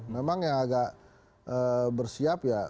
memang yang agak bersiap ya